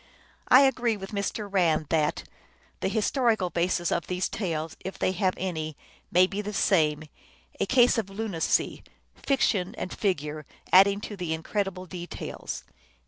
I agree with Mr. Rand that " the historical basis of these tales, if they have any, may be the same, a case of lunacy ; fiction and figure adding the incred ible details."